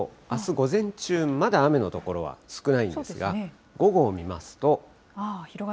あす午前中、まだ雨の所は少ないんですが、午後を見ますと。